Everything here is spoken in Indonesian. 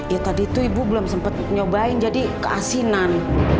ya tadi itu ibu belum sempat mencobain jadi keasinan